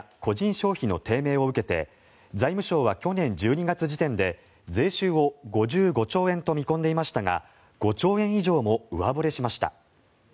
消費の低迷を受けて財務省は去年１２月時点で税収を５５兆円と見込んでいましたが５兆円以上も上振れしました。